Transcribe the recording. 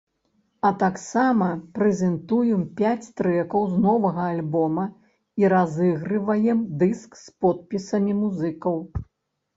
А таксама прэзентуем пяць трэкаў з новага альбома і разыгрываем дыск з подпісамі музыкаў.